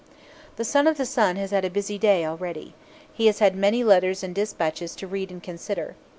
The Son of the Sun has had a busy day already. He has had many letters and despatches to read and consider.